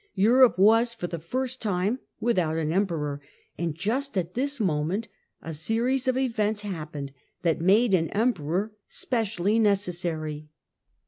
Europe was, for the first time, without an emperor, and just at this moment a series of events happened that made an emperor specially neces sary.